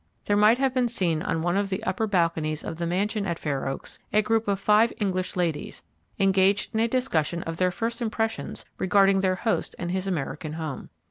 there might have been seen on one of the upper balconies of the mansion at Fair Oaks a group of five English ladies, engaged in a discussion of their first impressions regarding their host and his American home.